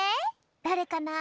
だれかな？